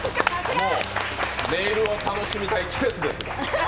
ネイルを楽しみたい季節ですが！